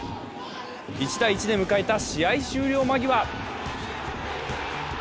１−１で迎えた試合終了間際。